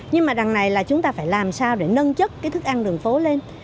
nhưng mà đằng này là chúng ta phải làm sao để nâng chất cái thức ăn đường phố lên